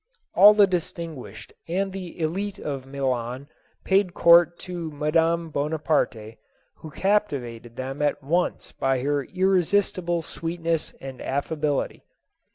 All the distinguished and the dlite of Milan paid court to Madame Bonaparte, who captivated them at once by her irresistible sweetness and affability.